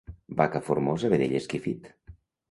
Vaca formosa, vedell esquifit.